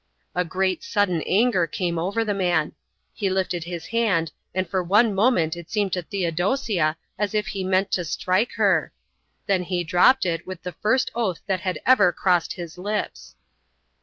A great, sudden anger came over the man. He lifted his hand and for one moment it seemed to Theodosia as if he meant to strike her. Then he dropped it with the first oath that had ever crossed his lips.